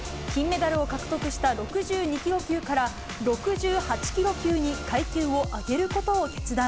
金メダルを獲得した６２キロ級から６８キロ級に階級を上げることを決断。